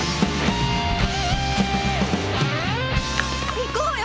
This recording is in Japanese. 行こうよ